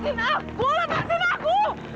lepasin aku lepasin aku